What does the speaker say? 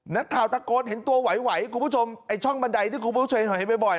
นักข่าวตะโกนเห็นตัวไหวคุณผู้ชมไอ้ช่องบันไดที่คุณผู้ชมเห็นบ่อย